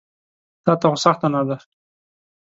تاته خو سخته نه ده.